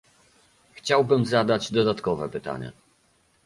Chciałbym zadać dodatkowe pytanie